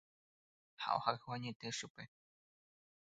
Ha ohayhu añete chupe.